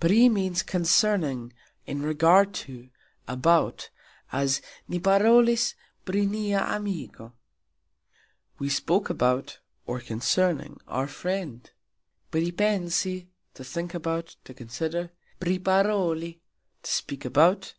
"Pri" means "concerning, in regard to, about", as "Ni parolis pri nia amiko", We spoke about or concerning our friend. "Pripensi", to think about, to consider. "Priparoli", to speak about.